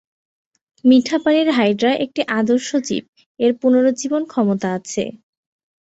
মিঠাপানির hydra একটি আদর্শ জীব, এর পুনরুজ্জীবন ক্ষমতা আছে।